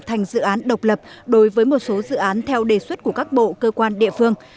thành dự án độc lập đối với một số dự án theo đề xuất của các bộ cơ quan địa phương